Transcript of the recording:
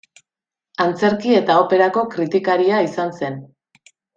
Antzerki eta operako kritikaria izan zen.